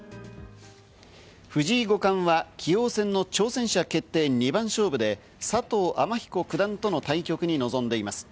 藤井五冠は棋王戦の挑戦者決定二番勝負で佐藤天彦九段との対局に臨んでいます。